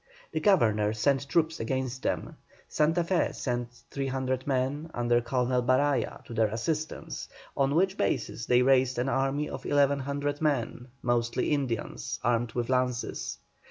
The Governor sent troops against them. Santa Fé sent 300 men, under Colonel Baraya, to their assistance, on which basis they raised an army of 1100 men, mostly Indians, armed with lances.